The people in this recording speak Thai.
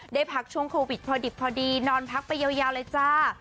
ได้พักช่วงโควิดพอดิบพอดีนอนพักไปยาวเลยจ้า